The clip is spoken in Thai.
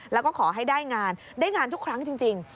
แล้วก็ขอให้ได้งานได้งานทุกครั้งจริง